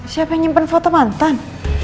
siapa yang nyimpen foto mantan